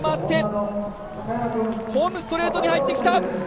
ホームストレートに入ってきた。